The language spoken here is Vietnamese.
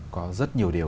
có rất nhiều điều